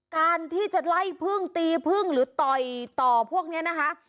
การที่จะไล่พึ่งตีพึ่งหรือต่อยต่อพวกนี้นะคะ